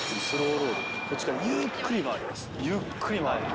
こっち側にゆっくり回ります。